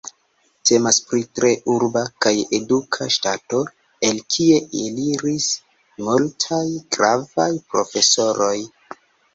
Temas pri tre urba kaj eduka ŝtato, el kie eliris multaj gravaj profesoroj.